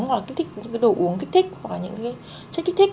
hoặc là những cái đồ uống kích thích hoặc là những cái chất kích thích